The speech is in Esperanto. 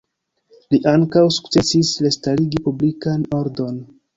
Li ankaŭ sukcesis restarigi publikan ordon.